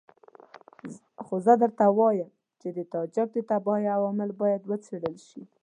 خو زه درته وایم چې د تاجک د تباهۍ عوامل باید وڅېړل شي.